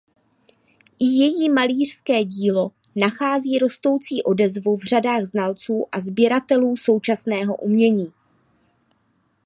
I její malířské dílo nachází rostoucí odezvu v řadách znalců a sběratelů současného umění.